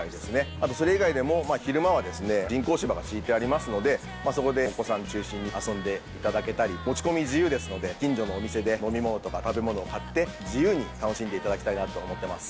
あとそれ以外でも、昼間は人工芝が敷いてありますので、そこでお子さん中心に遊んでいただけたり、持ち込み自由ですので、近所のお店で飲み物とか食べ物を買って、自由に楽しんでいただきたいなと思ってます。